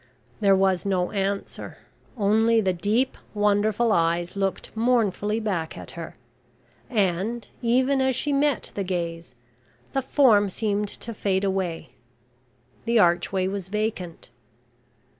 There was no answer only the deep, wonderful eyes looked mournfully back at her, and, even as she met the gaze, the form seemed to fade away the archway was vacant.